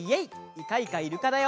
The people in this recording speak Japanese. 「イカイカイルカ」だよ。